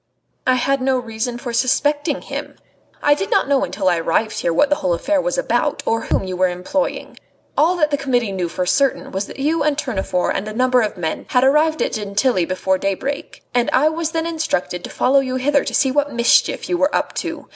"I had no reason for suspecting him. I did not know until I arrived here what the whole affair was about, or whom you were employing. All that the Committee knew for certain was that you and Tournefort and a number of men had arrived at Gentilly before daybreak, and I was then instructed to follow you hither to see what mischief you were up to.